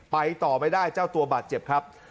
ต่อไม่ได้เจ้าตัวบาดเจ็บครับ